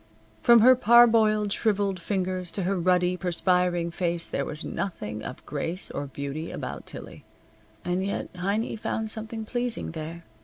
From her parboiled, shriveled fingers to her ruddy, perspiring face there was nothing of grace or beauty about Tillie. And yet Heiny found something pleasing there.